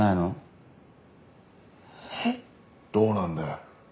えっ？どうなんだよ？